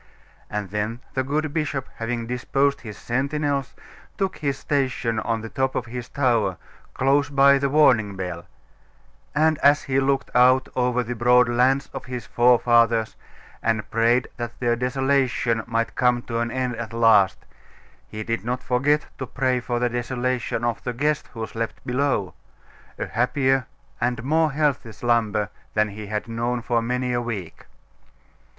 And then the good bishop, having disposed his sentinels, took his station on the top of his tower, close by the warning bell; and as he looked out over the broad lands of his forefathers, and prayed that their desolation might come to an end at last, he did not forget to pray for the desolation of the guest who slept below, a happier and more healthy slumber than he had known for many a week.